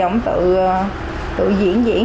ông tự diễn diễn